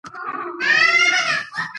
کتابچه واخله